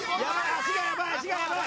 足がやばい足がやばい。